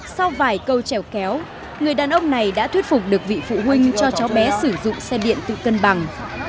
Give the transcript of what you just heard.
sau vài câu trèo kéo người đàn ông này đã thuyết phục được vị phụ huynh cho cháu bé sử dụng xe điện tự cân bằng